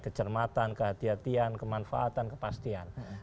kejermatan kehatian kemanfaatan kepastian